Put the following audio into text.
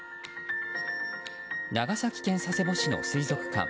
長崎県佐世保市の水族館。